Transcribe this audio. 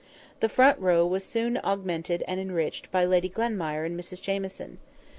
The front row was soon augmented and enriched by Lady Glenmire and Mrs Jamieson.